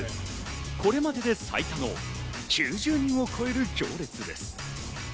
これまでで最多の９０人を超える行列です。